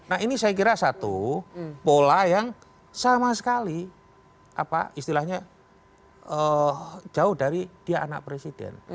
nah ini saya kira satu pola yang sama sekali istilahnya jauh dari dia anak presiden